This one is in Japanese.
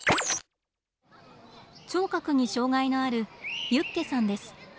聴覚に障害のあるユッケさんです。